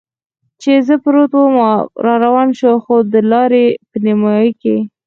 چې زه پروت ووم را روان شو، خو د لارې په نیمایي کې.